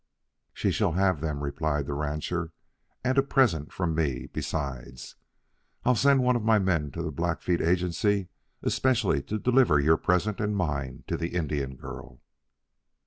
"She shall have them," replied the rancher, "and a present from me, besides. I'll send one of my men to the Blackfeet Agency especially to deliver your present and mine to the Indian girl."